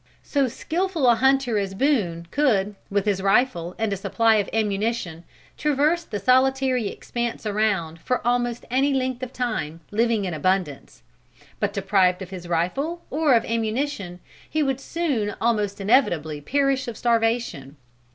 So skilful a hunter as Boone could, with his rifle and a supply of ammunition, traverse the solitary expanse around for almost any length of time, living in abundance. But deprived of his rifle or of ammunition, he would soon almost inevitably perish of starvation.